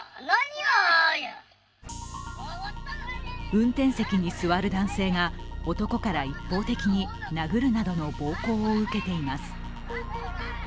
運転席に座る男性が、男から一方的に殴るなどの暴行を受けています。